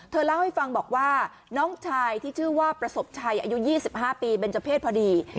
เล่าให้ฟังบอกว่าน้องชายที่ชื่อว่าประสบชัยอายุ๒๕ปีเป็นเจ้าเพศพอดี